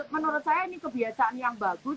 menurut saya ini kebiasaan yang bagus